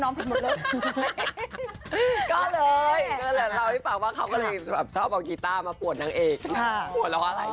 น้องผู้ใจผู้ใจเพชรอะร้องมีตรงไหน